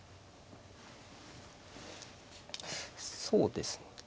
そうですね。